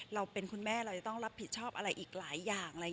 เราเป็นคุณแม่เราจะต้องรับผิดชอบอะไรอีกหลายอย่าง